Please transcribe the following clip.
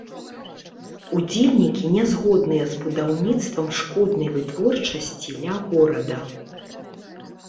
Удзельнікі нязгодныя з будаўніцтвам шкоднай вытворчасці ля горада.